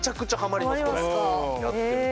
これやってると。